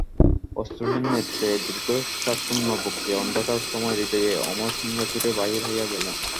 অশ্রুহীন নেত্রে, দীর্ঘশ্বাসশূন্য বক্ষে, অন্ধকারময় হৃদয়ে, অমরসিংহ ছুটিয়া বাহির হইয়া গেলেন।